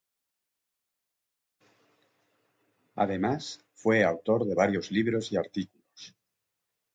Además, fue autor de varios libros y artículos.